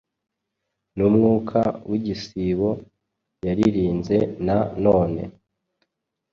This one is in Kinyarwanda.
numwuka wigisigo yaririnze Na none